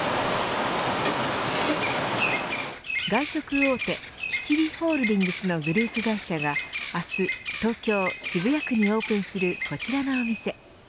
外食大手きちりホールディングスのグループ会社が明日東京、渋谷区にオープンするこちらのお店。